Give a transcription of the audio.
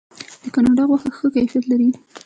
د کاناډا غوښه ښه کیفیت لري.